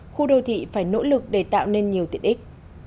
khu đô thị phải nỗ lực để tạo nên nhiều tiện ích